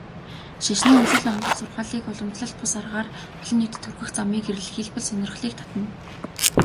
Шашны үзэл номлол, сургаалыг уламжлалт бус аргаар олон нийтэд хүргэх замыг эрэлхийлбэл сонирхлыг татна.